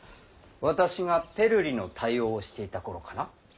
私がペルリの対応をしていた頃かな？